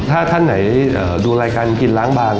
ถ้าท่านไหนดูรายการกินล้างบาง